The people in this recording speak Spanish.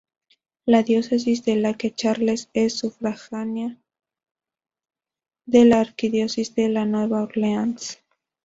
La Diócesis de Lake Charles es sufragánea de la Arquidiócesis de Nueva Orleans.